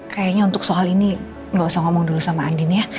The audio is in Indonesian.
kayaknya untuk soal ini nggak usah ngomong dulu sama andin ya